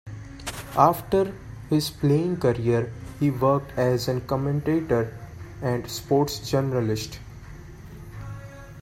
After his playing career he worked as a commentator and sports journalist.